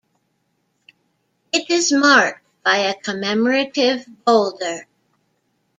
It is marked by a commemorative boulder.